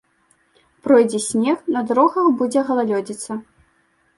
Пройдзе снег, на дарогах будзе галалёдзіца.